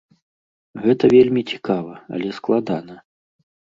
Гэта вельмі цікава, але складана.